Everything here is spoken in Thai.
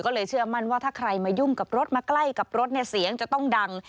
ก็เลยเชื่อมั่นว่าถ้าใครมายุ่งกับรถมาใกล้กับรถเนี่ยเสียงจะต้องดัง